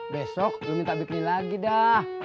besok lo minta bikin lagi dah